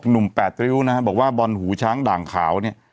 นุ่มแปดริ้วบอกว่าบอนหูช้างด่างขาว